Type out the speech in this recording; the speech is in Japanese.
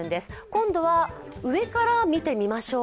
今度は上から見てみましょう。